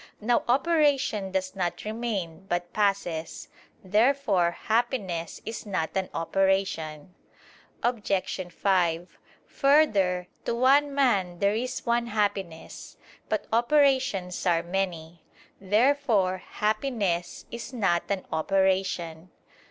Now operation does not remain, but passes. Therefore happiness is not an operation. Obj. 5: Further, to one man there is one happiness. But operations are many. Therefore happiness is not an operation.